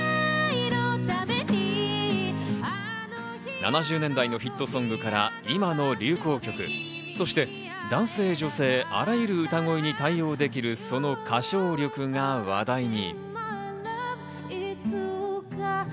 ７０年代のヒットソングから今の流行曲、そして男性女性、あらゆる歌声に対応できるその歌唱力が話題に。